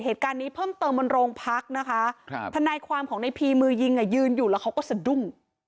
เหตุการณ์นี้เพิ่มเติมบนโรงพักนะคะทนายความของในพีมือยิงอ่ะยืนอยู่แล้วเขาก็สะดุ้ง